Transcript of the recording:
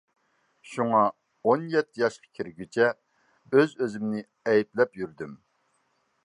شۇڭا، ئون يەتتە ياشقا كىرگۈچە ئۆز-ئۆزۈمنى ئەيىبلەپ يۈردۈم.